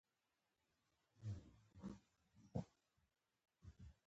دوی به یې په یوه کارخانه کې راټولول